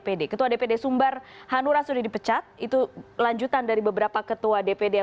bahkan katanya munaslup akan dihubungi dengan kekuatan